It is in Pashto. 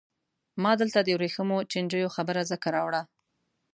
ما دلته د ورېښمو چینجیو خبره ځکه راوړه.